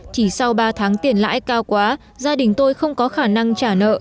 chỉ sau ba tháng tiền lãi cao quá gia đình tôi không có khả năng trả nợ